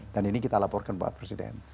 dan ini kita laporkan pak presiden